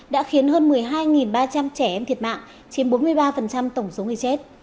đã khiến hơn một mươi hai ba trăm linh trẻ em thiệt mạng chiếm bốn mươi ba tổng số người chết